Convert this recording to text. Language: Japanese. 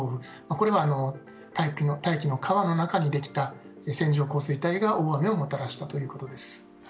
これは大気の川の中にできた線状降水帯が大雨をもたらしたということです。